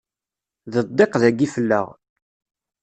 D ddiq dayi fell-aɣ.